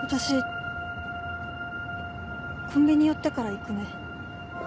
コンビニ寄ってから行くね。